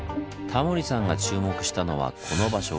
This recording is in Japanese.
タモリさんが注目したのはこの場所。